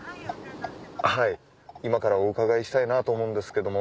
今からお伺いしたいなと思うんですけども。